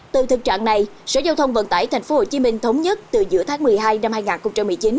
từ thực trạng này sở giao thông vận tải tp hcm thống nhất từ giữa tháng một mươi hai năm hai nghìn một mươi chín